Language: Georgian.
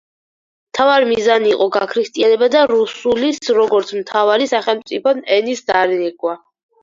მთავარი მიზანი იყო გაქრისტიანება და რუსულის, როგორც მთავარი სახელმწიფო ენის დანერგვა.